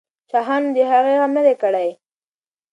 شاهانو د هغې غم نه دی کړی.